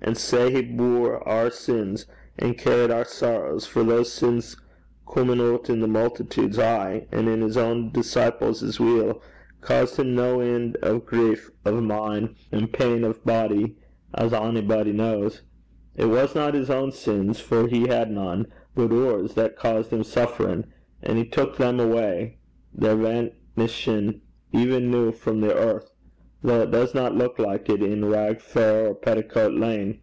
An' sae he bore oor sins and carried oor sorrows; for those sins comin' oot in the multitudes ay and in his ain disciples as weel, caused him no en' o' grief o' mind an' pain o' body, as a'body kens. It wasna his ain sins, for he had nane, but oors, that caused him sufferin'; and he took them awa' they're vainishin' even noo frae the earth, though it doesna luik like it in Rag fair or Petticoat lane.